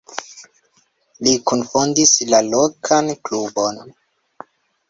Li kunfondis la lokan klubon.